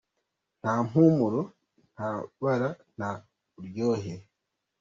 Nta mpumuro, nta bara nta n’uburyohe.